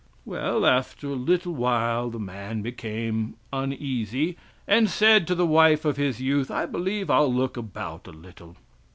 Well, after a little while the man became uneasy, and said to the wife of his youth, "I believe I'll look about a little."